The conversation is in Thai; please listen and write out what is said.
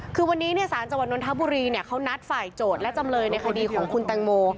คือวันนี้สารจังหวัดนทบุรีเขานัดฝ่ายโจทย์และจำเลยในคดีของคุณแตงโม